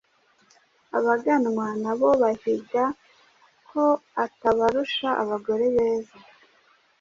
Abaganwa na bo bahiga ko atabarusha abagore beza.